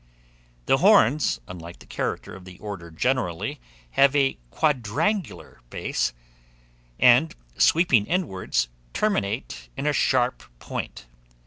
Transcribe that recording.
The horns, unlike the character of the order generally, have a quadrangular base, and, sweeping inwards, terminate in a sharp point.